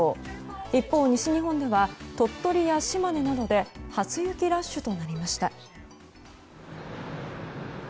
一方、西日本では鳥取や島根などで初雪ラッシュとなりました。